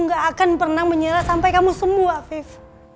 dan aku gak akan pernah menyerah sampai kamu sembuh afif